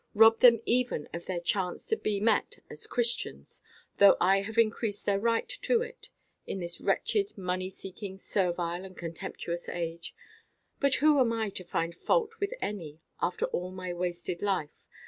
Robbed them even of their chance to be met as Christians (though I have increased their right to it), in this wretched, money–seeking, servile, and contemptuous age. But who am I to find fault with any, after all my wasted life?